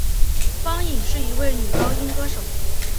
方颖是一位女高音歌手。